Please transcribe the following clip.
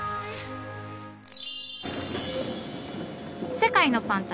世界のパン旅。